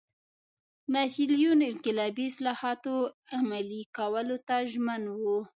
ناپلیون انقلابي اصلاحاتو عملي کولو ته ژمن و.